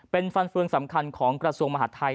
เป็นฟันเฟืองสำคัญของกระทรวงมหาดไทย